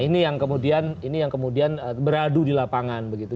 nah ini yang kemudian beradu di lapangan begitu